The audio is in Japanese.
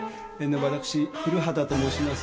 私古畑と申します。